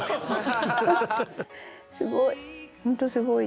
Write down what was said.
すごい！